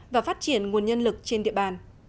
và phát triển nguồn nhân lực trên địa bàn